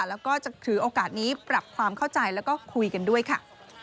แล้วก็จะถือโอกาสนี้ปรับความเข้าใจแล้วก็คุยกันด้วยค่ะ